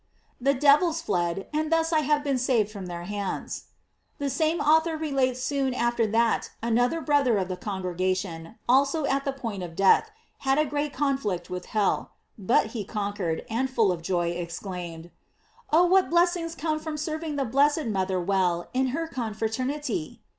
' The devils fled, and thus I have been saved from their hands." The same au thor relates soon after that another brother of the congregation, also at the point of death, had a great conflict with hell; but he conquered, and full of joy, exclaimed: "Oh, what blessings come from serving the blessed mother well in her confraternity